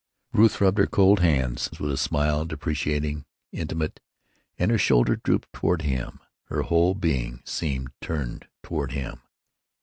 Ruth rubbed her cold hands with a smile deprecating, intimate; and her shoulder drooped toward him. Her whole being seemed turned toward him.